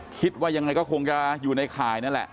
คิดว่ายังไงก็คงจะอยู่ในข่ายนั่นแหละ